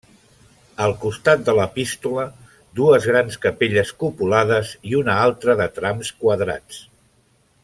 Al costat de l'epístola, dues grans capelles cupulades i una altra de trams quadrats.